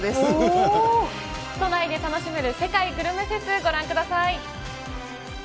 都内で楽しめる世界グルメフェス、ご覧ください。